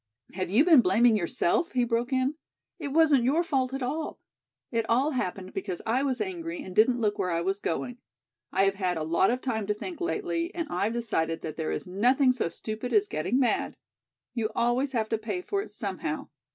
"Have you been blaming yourself?" he broke in. "It wasn't your fault at all. It all happened because I was angry and didn't look where I was going. I have had a lot of time to think lately, and I've decided that there is nothing so stupid as getting mad. You always have to pay for it somehow.